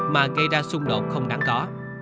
mà gây ra xung đột không đáng có